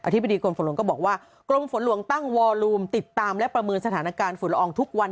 ธิบดีกรมฝนหลวงก็บอกว่ากรมฝนหลวงตั้งวอลูมติดตามและประเมินสถานการณ์ฝุ่นละอองทุกวัน